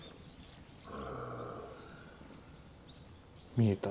見えた？